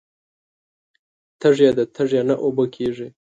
تږې ده تږې نه اوبه کیږي